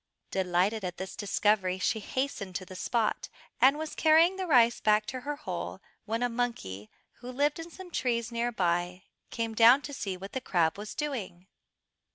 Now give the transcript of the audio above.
Delighted at this discovery, she hastened to the spot, and was carrying the rice back to her hole when a monkey, who lived in some trees near by, came down to see what the crab was doing.